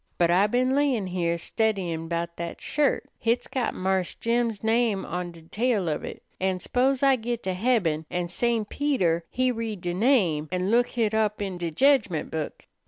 But I been layin' heah steddyin' 'bout dat shirt. Hit's got Marse Jim's name on de tail of it, an' s'pose I git to heaben, an' St. Peter he read de name an' look hit up in de jedgment book.